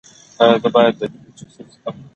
ایا زه باید د کیلي جوس وڅښم؟